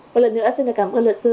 một lần nữa xin cảm ơn luật sư